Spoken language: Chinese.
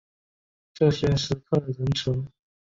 这些石刻仍存。